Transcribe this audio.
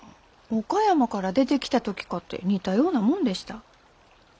岡山から出てきた時かて似たようなもんでした。